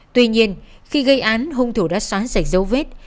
tuy nhiên khi gây án hung thủ đã xóa sạch dấu vết